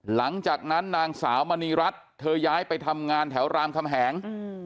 หลังจากนั้นนางสาวมณีรัฐเธอย้ายไปทำงานแถวรามคำแหง